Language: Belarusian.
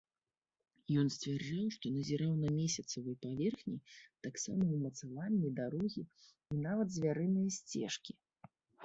Ён сцвярджаў, што назіраў на месяцавай паверхні таксама ўмацаванні, дарогі і нават звярыныя сцежкі.